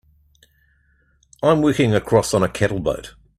I'm working across on a cattle boat.